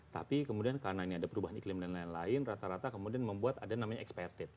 tapi kemudian karena ini ada perubahan iklim dan lain lain rata rata kemudian membuat ada namanya experted